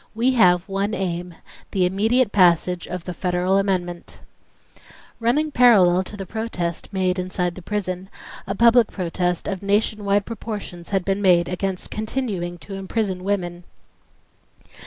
We have one aim: the immediate passage of the federal amendment" Running parallel to the protest made inside the prison, a public protest of nation wide proportions had been made against continuing to imprison women.